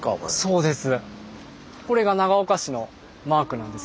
そうです。